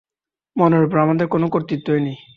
মনের উপর আমাদের কোন কর্তৃত্বই নাই।